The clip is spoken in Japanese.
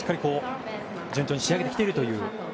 順調に仕上げてきていると。